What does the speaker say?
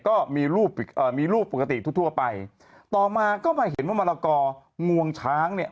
ก็มีรูปปกติทั่วไปต่อมาก็มาเห็นว่ามารกองวงช้างเนี่ย